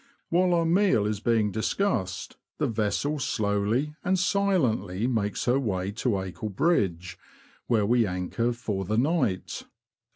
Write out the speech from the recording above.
While our meal is being discussed, the vessel slowly and silently makes her way to Acle Bridge, where we anchor for the night.